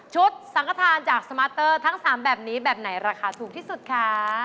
สังขทานจากสมาร์เตอร์ทั้ง๓แบบนี้แบบไหนราคาถูกที่สุดคะ